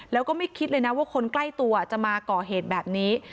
แล้วก็ไม่คิดเลยนะว่าคนใกล้ตัวจะมาก่อเหตุแบบนี้